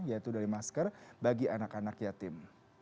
yaitu dari masker bagi anak anak yatim